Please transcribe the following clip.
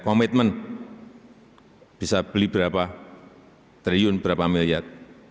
komitmen bisa beli berapa triliun berapa miliar